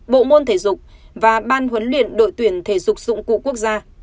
bộ môn thể dục và ban huấn luyện đội tuyển thể dục dụng cụ quốc gia